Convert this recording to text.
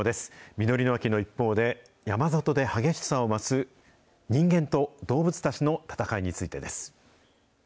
実りの秋の一方で、山里で激しさを増す、人間と動物たちの闘いについてです。